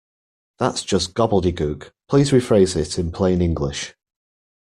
That’s just gobbledegook! Please rephrase it in plain English